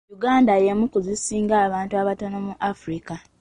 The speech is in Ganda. Uganda y'emu ku zisingamu abantu abato mu Africa.